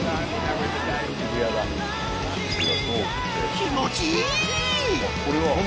気持ちいい！